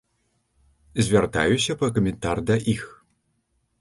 Звяртаюся па каментар да іх.